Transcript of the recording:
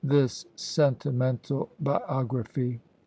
this sentimental biography!